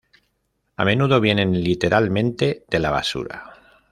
A menudo vienen literalmente de la basura.